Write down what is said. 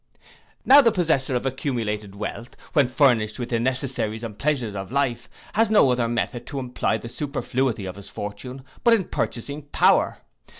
Now the possessor of accumulated wealth, when furnished with the necessaries and pleasures of life, has no other method to employ the superfluity of his fortune but in purchasing power.